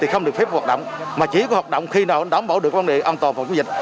không được phép hoạt động mà chỉ có hoạt động khi nào đảm bảo được vấn đề an toàn phòng chống dịch